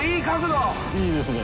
いいですね。